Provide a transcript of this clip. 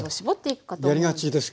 やりがちですけど。